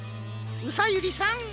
うさゆりさん。